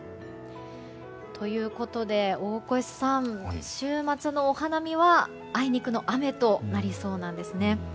ということで、大越さん週末のお花見はあいにくの雨となりそうなんですね。